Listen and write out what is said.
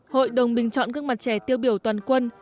hội đồng bình chọn gương mặt trẻ tiêu biểu toàn quân